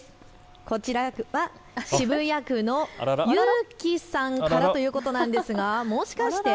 こちらは渋谷区のゆうきさんからということなんですが、もしかして？